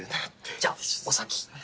じゃあお先。